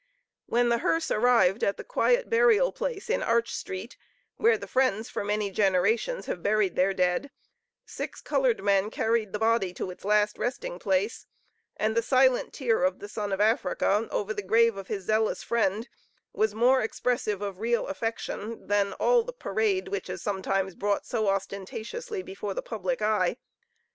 When the hearse arrived at the quiet burial place in Arch street, where the Friends for many generations have buried their dead, six colored men carried the body to its last resting place, and the silent tear of the son of Africa over the grave of his zealous friend, was more expressive of real affection than all the parade which is sometimes brought so ostentatiously before the public eye.